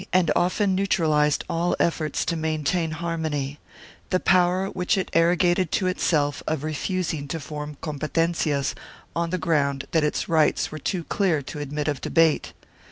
522 CONFLICTING JURISDICTIONS [Boos II and often neutralized all efforts to maintain harmony — the power which it arrogated to itself of refusing to form compe tencias on the ground that its rights were too clear to admit of debate.